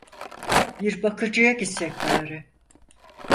Bir bakıcıya gitsek bari…